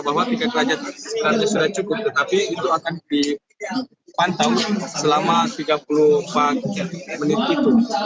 bahwa tiga derajat sudah cukup tetapi itu akan dipantau selama tiga puluh empat menit itu